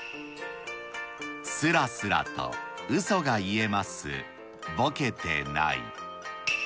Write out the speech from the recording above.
すらすらと嘘が言えますボケてない。